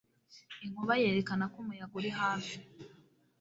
Inkuba yerekana ko umuyaga uri hafi